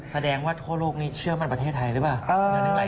แสดงว่าทั่วโลกนี้เชื่อมั่นประเทศไทยหรือเปล่า